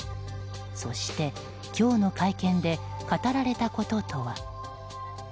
そして、今日の会見で語られたこととは？